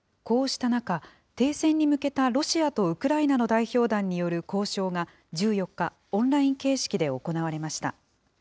こうした中、停戦に向けたロシアとウクライナの代表団による交渉が、１４日、オンライン形式で行われました。